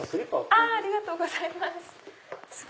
ありがとうございます。